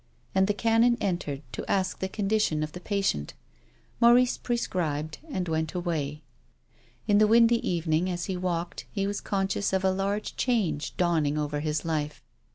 And the Canon entered to ask the condition of the patient. Maurice prescribed and went away. In the windy evening as he walked, he was con scious of a large change dawning over his life.